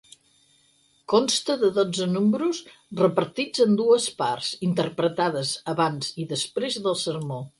Consta de dotze números repartits en dues parts, interpretades abans i després del sermó.